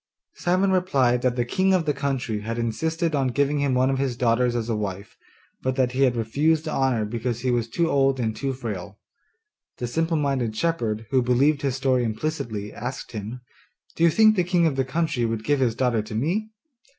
Simon replied that the king of the country had insisted on giving him one of his daughters as a wife, but that he had refused the honour because he was too old and too frail. The simple minded shepherd, who believed his story implicitly, asked him, 'Do you think the king of the country would give his daughter to me?